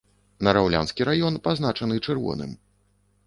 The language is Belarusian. Нараўлянскі раён пазначаны чырвоным.